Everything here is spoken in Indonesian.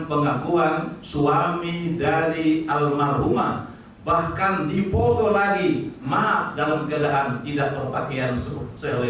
pengakuan suami dari almarhumah bahkan dipotong lagi maka dalam keadaan tidak berpakaian sewa